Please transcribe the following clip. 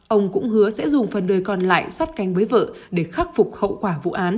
ông cũng hứa sẽ dùng phần đời còn lại sát canh với vợ để khắc phục hậu quả